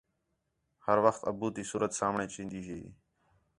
ہر وخت ابو تی صورت سامھݨے چین٘دی ہی